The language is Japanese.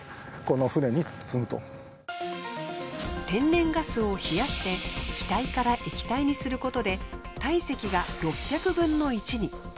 天然ガスを冷やして気体から液体にすることで体積が６００分の１に。